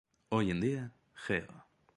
Hoy en día, Geo.